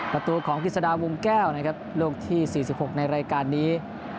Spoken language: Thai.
ประตูของกฤษฎาวงแก้วนะครับลูกที่๔๖ในรายการนี้